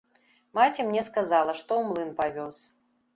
Маці мне сказала, што ў млын павёз.